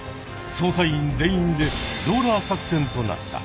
捜査員全員でローラー作戦となった。